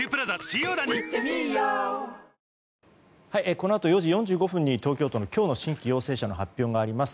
このあと４時４５分に東京都の今日の新規陽性者の発表があります。